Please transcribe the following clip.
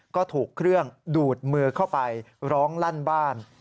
ก็ถูกเครื่องดูดมือเข้าไปร้องลั่นบ้าน